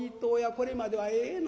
これまではええの。